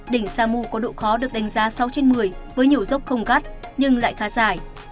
đỉnh samu có độ khó được đánh giá sáu trên một mươi với nhiều dốc không cắt nhưng lại khá dài